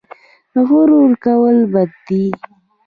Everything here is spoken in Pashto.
غرور کول بد دي